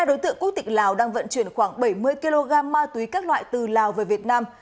hai đối tượng quốc tịch lào đang vận chuyển khoảng bảy mươi kg ma túy các loại từ lào về việt nam